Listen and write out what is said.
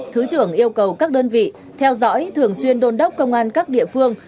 thứ trưởng yêu cầu các đơn vị theo dõi thường xuyên đôn đốc công an các địa phương